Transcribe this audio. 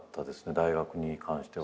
大学に関しては。